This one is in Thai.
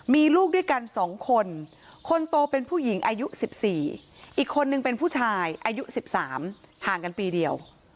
มีลูกด้วยกัน๒คนคนโตเป็นผู้หญิงอายุ๑๔อีกคนนึงเป็นผู้ชายอายุ๑๓ห่างกันปีเดียว